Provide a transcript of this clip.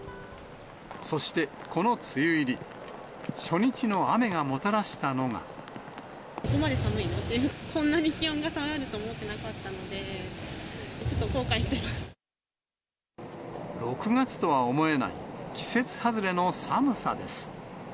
そして、この梅雨入り、ここまで寒いのって、こんなに気温が下がると思ってなかったので、ちょっと後悔してま６月とは思えない、季節外れの寒さです。